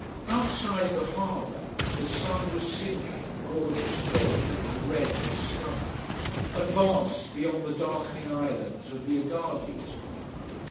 Outside the harbour the sun was sinking, gorgeous gold and red the sky, and vast, beyond the darkening islands of the Egades group.